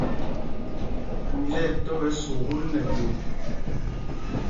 Mi tí ɛtɔ̄ ɓɛ̌ sukûl nɛ gup.